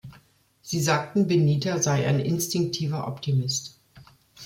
Sie sagten, Benita sei ein instinktiver Optimist.